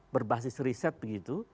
berbasis riset begitu